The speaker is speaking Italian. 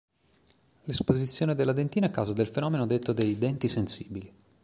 L'esposizione della dentina è causa del fenomeno detto dei "denti sensibili".